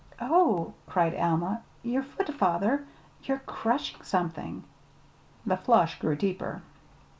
"Oh!" cried Alma. "Your foot, father your're crushing something!" The flush grew deeper.